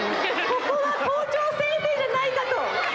ここは校長先生じゃないかと。